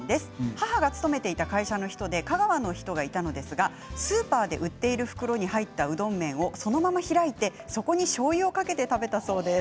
母が勤めていた会社の人で香川の人がいたのですがスーパーで売っている袋に入ったうどん麺をそのまま開いてそこに、しょうゆをかけて食べたそうです。